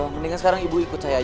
mendingan sekarang ibu ikut saya aja